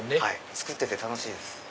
作ってて楽しいです。